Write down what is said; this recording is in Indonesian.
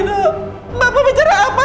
pak dino bapak bicara apa